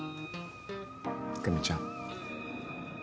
久美ちゃん。